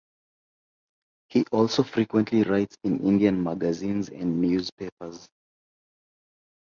He also frequently writes in Indian Magazines and News Papers.